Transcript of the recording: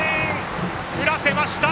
振らせました！